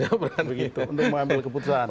untuk mengambil keputusan